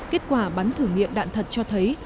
kết quả bắn thử nghiệm đạn thật cho thấy